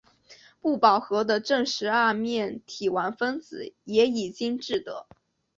不饱和的正十二面体烷分子也已经制得。